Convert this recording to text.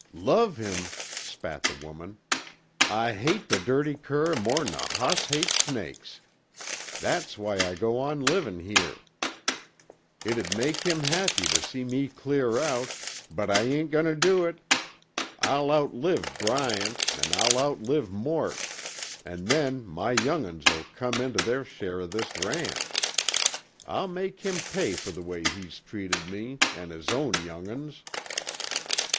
"Love him?" spat the woman. "I hate the dirty cur more'n a hoss hates snakes. That's why I go on livin' here. It'd make him happy to see me clear out, but I ain't goin' tuh do it. I'll outlive Bryant, an' I'll outlive Mort, an' then my young 'uns will come intuh their share of this ranch. I'll make him pay fer the way he's treated me an' his own young 'uns."